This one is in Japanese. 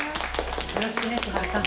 よろしくね千晴さん。